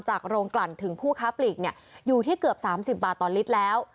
จากโรงกลั่นถึงผู้ค้าปลีกเนี่ยอยู่ที่เกือบสามสิบบาทตอนลิตรแล้ว